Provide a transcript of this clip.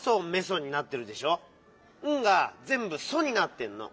「ン」がぜんぶ「ソ」になってんの。